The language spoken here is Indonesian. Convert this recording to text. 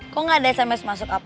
kok gak ada sms masuk apa apa